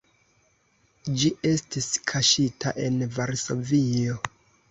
Ĝi estis kaŝita en Varsovio.